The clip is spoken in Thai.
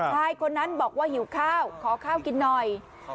ชายคนนั้นบอกว่าหิวข้าวขอข้าวกินหน่อย